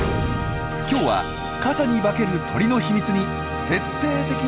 今日は傘に化ける鳥の秘密に徹底的に迫ります。